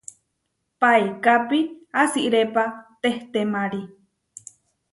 Paikápi asirépa tehtémari.